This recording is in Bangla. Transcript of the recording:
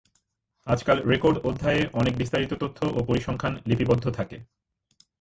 আজকাল রেকর্ড অধ্যায়ে অনেক বিস্তারিত তথ্য ও পরিসংখ্যান লিপিবদ্ধ থাকে।